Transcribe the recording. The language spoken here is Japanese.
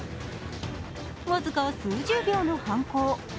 僅か数十秒の犯行。